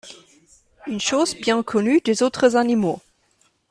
Une chose bien connue des autres animaux.